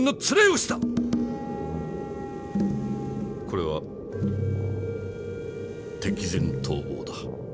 これは敵前逃亡だ。